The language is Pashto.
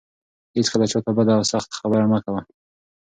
هيڅکله چا ته بده او سخته خبره مه کوه.